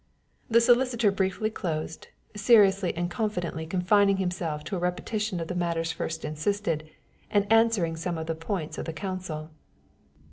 The solicitor briefly closed, seriously and confidently confining himself to a repetition of the matters first insisted, and answering some of the points of the counsel.